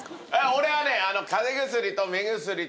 俺はね。